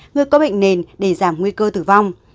người có bệnh nền để giảm nguy cơ tử vong